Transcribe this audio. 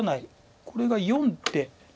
これが４手。